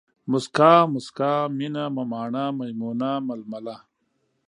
موسکا ، مُسکا، مينه ، مماڼه ، ميمونه ، ململه